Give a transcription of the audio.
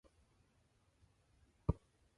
Open a disco fashion shop?